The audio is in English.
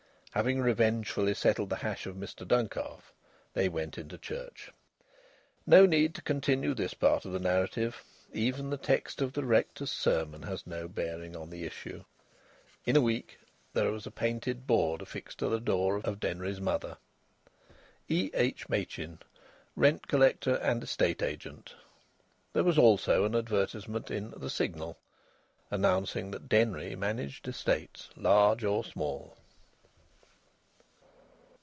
Having revengefully settled the hash of Mr Duncalf, they went into church. No need to continue this part of the narrative. Even the text of the rector's sermon has no bearing on the issue. In a week there was a painted board affixed to the door of Denry's mother: E.H. MACHIN, Rent Collector and Estate Agent. There was also an advertisement in the Signal, announcing that Denry managed estates large or small.